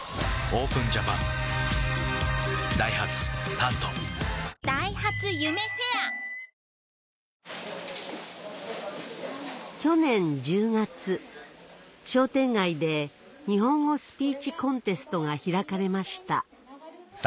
その涙が切ない夜でした去年１０月商店街で日本語スピーチコンテストが開かれました